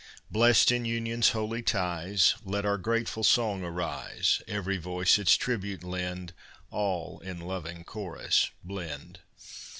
Blest in Union's holy ties, Let our grateful song arise, Every voice its tribute lend, All in loving chorus blend!